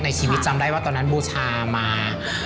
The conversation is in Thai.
ชีวิตจำได้ว่าตอนนั้นบูชามา